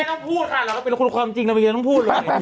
แม่ต้องพูดค่ะแล้วก็เป็นคุณความจริงต้องพูดเลย